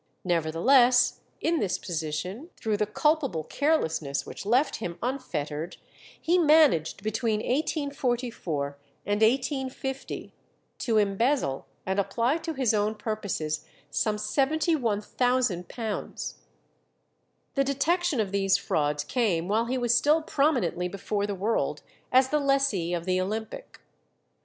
Nevertheless, in this position, through the culpable carelessness which left him unfettered, he managed between 1844 and 1850 to embezzle and apply to his own purposes some £71,000. The detection of these frauds came while he was still prominently before the world as the lessee of the Olympic.